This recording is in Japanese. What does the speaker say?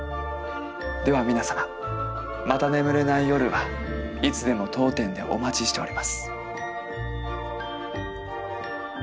では皆様また眠れない夜はいつでも当店でお待ちしております。